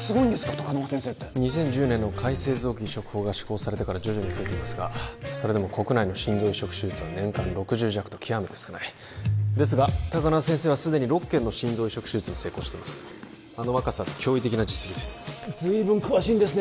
高輪先生って２０１０年の改正臓器移植法が施行されてから徐々に増えていますがそれでも国内の心臓移植手術は年間６０弱と極めて少ないですが高輪先生はすでに６件の心臓移植手術に成功していますあの若さで驚異的な実績です随分詳しいんですね